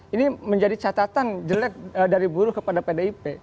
ini menjadi catatan jelek dari buruh kepada pdip